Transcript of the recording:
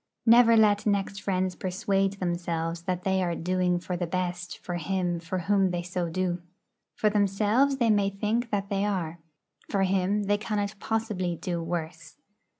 Never let next friends persuade themselves that they are 'doing for the best' for him for whom they so do. For themselves they may think that they are. For him they cannot possibly do worse.